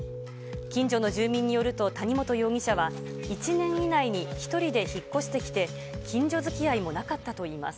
近所の住民によると谷本容疑者は、１年以内に１人で引っ越してきて、近所づきあいもなかったといいます。